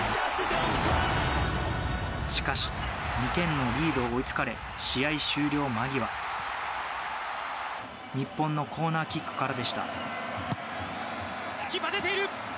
しかし２点のリードを追いつかれ試合終了間際日本のコーナーキックからでした。